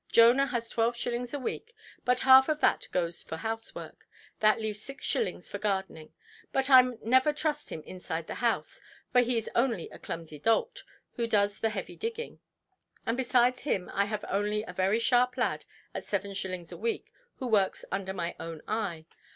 Jonah has twelve shillings a week, but half of that goes for housework. That leaves six shillings for gardening; but I never trust him inside this house, for he is only a clumsy dolt, who does the heavy digging. And besides him I have only a very sharp lad, at seven shillings a week, who works under my own eye.